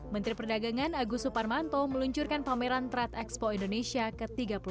menteri perdagangan agus suparmanto meluncurkan pameran trade expo indonesia ke tiga puluh delapan